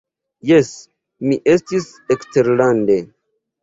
Jes, mi estis eksterlande.